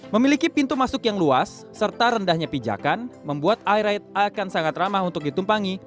memiliki pintu masuk yang luas serta rendahnya pijakan membuat i ride akan sangat ramah untuk ditumpangi